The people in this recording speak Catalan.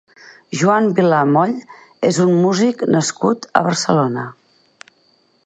Joan Vilà Moll és un músic nascut a Barcelona.